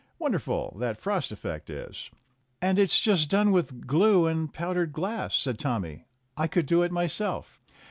Won derful, that frost effect is !" "And it's just done with glue and powdered glass," said Tommy. "I could do it myself."